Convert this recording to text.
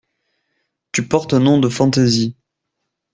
Tu portes un nom de fantaisie.